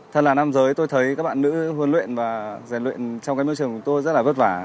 thật là năm giới tôi thấy các bạn nữ huấn luyện và giải luyện trong cái mưu trường của tôi rất là vất vả